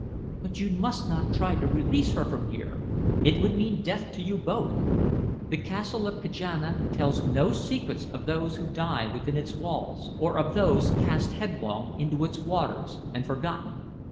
"But you must not try to release her from here. It would mean death to you both. The Castle of Kajana tells no secrets of those who die within its walls, or of those cast headlong into its waters and forgotten."